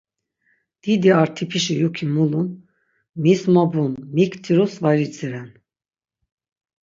Didi ar tipişi yuki mulun, mis mobun mik tirups var idziren.